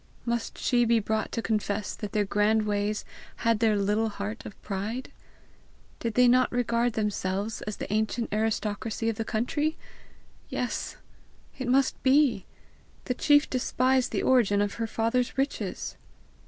Must she be brought to confess that their grand ways had their little heart of pride? Did they not regard themselves as the ancient aristocracy of the country! Yes, it must be! The chief despised the origin of her father's riches!